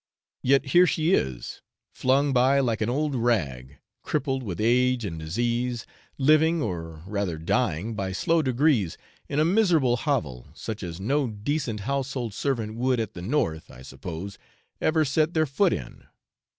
Yet here she is, flung by like an old rag, crippled with age and disease, living, or rather dying by slow degrees in a miserable hovel, such as no decent household servant would at the North, I suppose, ever set their foot in.